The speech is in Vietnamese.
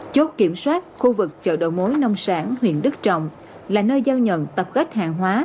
chốt kiểm soát khu vực chợ đầu mối nông sản huyện đức trọng là nơi giao nhận tập kết hàng hóa